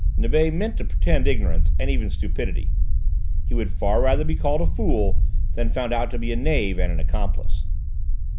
Nibet meant to pretend ignorance and even stupidity. He would far rather be called a fool, than found out to be a knave and an accomplice.